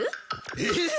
えっ！